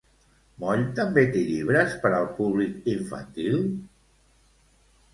Moll també té llibres per al públic infantil?